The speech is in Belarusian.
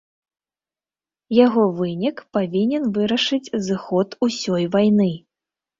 Яго вынік павінен вырашыць зыход усёй вайны.